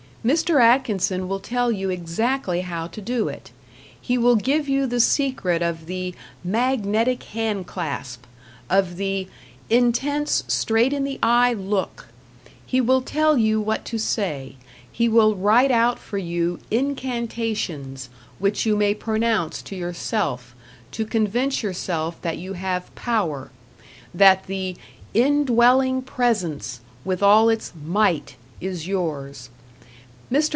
Mr. Atkinson will tell you exactly how to do it; he will give you the secret of the Magnetic Handclasp, of the Intense, Straight in the eye Look; he will tell you what to say, he will write out for you Incantations which you may pronounce to yourself, to convince yourself that you have #Power#, that the INDWELLING PRESENCE with all its #MIGHT# is yours. Mr.